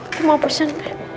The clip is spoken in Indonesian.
aku mau pesan